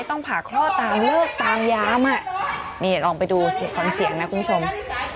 ต้องผ่าคลอดตามเลิกตามยามอ่ะนี่ลองไปดูสิฟังเสียงนะคุณผู้ชม